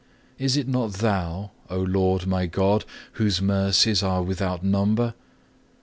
Is it not Thou, O Lord my God, whose mercies are without number?